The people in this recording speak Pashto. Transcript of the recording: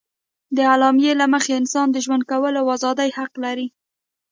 د اعلامیې له مخې انسان د ژوند کولو او ازادي حق لري.